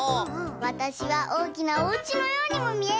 わたしはおおきなおうちのようにもみえる！